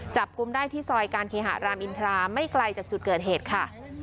กุมได้ที่ซอยการเคหะรามอินทราไม่ไกลจากจุดเกิดเหตุค่ะ